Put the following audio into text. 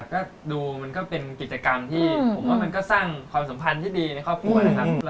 ก็ดูมันก็เป็นกิจกรรมที่ผมว่ามันก็สร้างความสัมพันธ์ที่ดีในครอบครัวนะครับ